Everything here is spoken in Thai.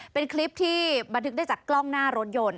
เป็นคลิปที่บันทึกได้จากกล้องหน้ารถยนต์